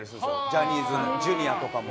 ジャニーズＪｒ．とかも。